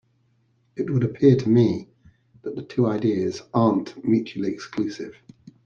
It would appear to me that the two ideas aren't mutually exclusive.